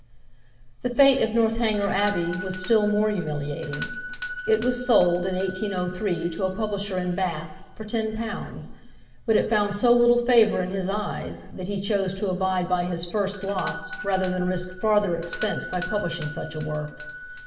The fate of 'Northanger Abbey' was still more humiliating. It was sold, in 1803, to a publisher in Bath, for ten pounds, but it found so little favour in his eyes, that he chose to abide by his first loss rather than risk farther expense by publishing such a work.